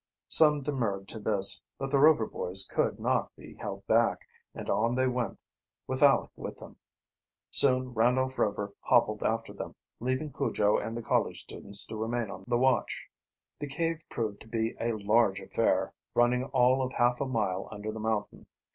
Some demurred to this, but the Rover boys could, not be held back, and on they went, with Aleck with them. Soon Randolph Rover hobbled after them, leaving Cujo and the college students to remain on the watch. The cave proved to be a large affair, running all of half a mile under the mountain.